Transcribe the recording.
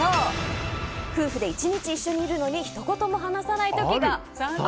夫婦で一日一緒にいるのに一言も話さない時が。